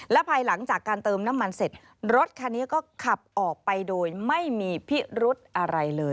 และภายหลังจากการเติมน้ำมันเสร็จรถคันนี้ก็ขับออกไปโดยไม่มีพิรุธอะไรเลย